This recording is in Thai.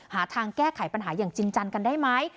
หาทางแก้ไขปัญหาอย่างจริงจังกันได้ไหม